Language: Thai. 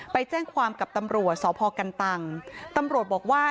ไปแจ้งความกับตำรวจสพกันตังตำรวจบอกว่า